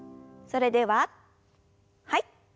それでははい。